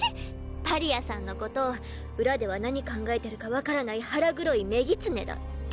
パリアさんの事裏では何考えてるかわからない腹黒い女狐だって。